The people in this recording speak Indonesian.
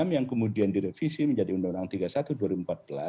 yang kemudian direvisi menjadi undang undang tiga puluh satu dua ribu empat belas